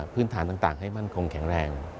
พื้นฐานต่างให้มั่นคงแข็งแรง